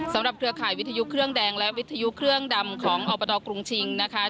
เครือข่ายวิทยุเครื่องแดงและวิทยุเครื่องดำของอบตกรุงชิงนะคะ